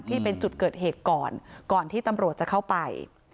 ที่เป็นจุดเกิดเหตุก่อนก่อนที่ตำรวจจะเข้าไป